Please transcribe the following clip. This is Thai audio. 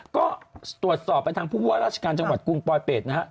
ก็ตรวจสอบไปทางผู้ว่าราชการจังหวัดกรุงปลอยเป็ดนะฮะ